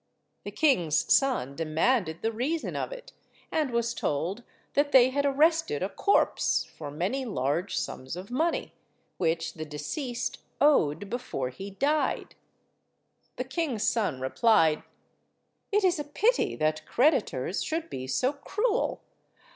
The king's son demanded the reason of it, and was told that they had arrested a corpse for many large sums of money, which the deceased owed before he died. The king's son replied— "It is a pity that creditors should be so cruel.